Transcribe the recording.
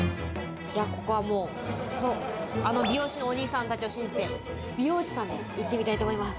ここはもう、あの美容師のお兄さんたちを信じて、美容師さんで行ってみたいと思います。